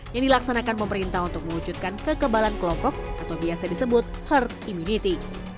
yang dilaksanakan pemerintah untuk mewujudkan kekebalan kelompok atau biasa disebut herd immunity